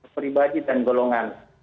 peribadi dan golongan